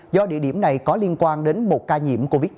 do địa điểm này có liên quan đến một ca nhiễm covid một mươi chín